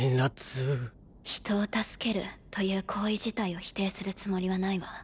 人を助けるという行為自体を否定するつもりはないわ。